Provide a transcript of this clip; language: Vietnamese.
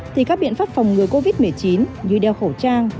thì các biện pháp phòng ngừa covid một mươi chín như đeo khẩu trang